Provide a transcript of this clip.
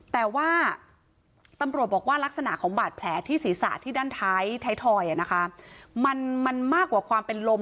แต่ว่าตำรวจบอกว่าลักษณะของบาดแผลที่ศีรษะที่ด้านท้ายทอยมันมากกว่าความเป็นลม